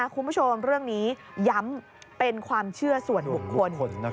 คุณผู้ชมเรื่องนี้ย้ำเป็นความเชื่อส่วนบุคคล